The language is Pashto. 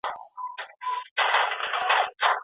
ځینې انځورونه له اصله توپیر لري.